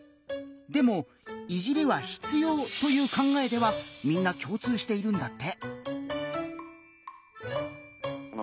でも「いじり」は必要という考えではみんな共通しているんだって。